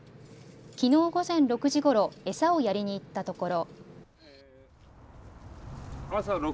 きのう午前６時ごろ、餌をやりに行ったところ。